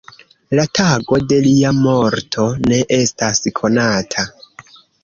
La tago de lia morto ne estas konata.